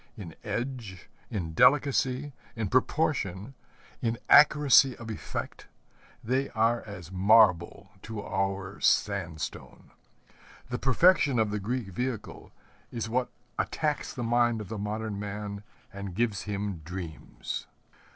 In edge, in delicacy, in proportion, in accuracy of effect, they are as marble to our sandstone. The perfection of the Greek vehicle is what attacks the mind of the modern man and gives him dreams.